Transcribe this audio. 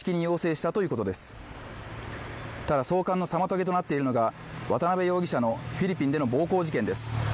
ただ送還の妨げとなっているのが渡辺容疑者のフィリピンでの暴行事件です